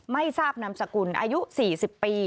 ไม่ทราบนามสกุลอายุ๔๐ปี